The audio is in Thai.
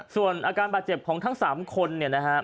ส่วนอาการบาดเจ็บของทั้ง๓คนเนี่ยนะครับ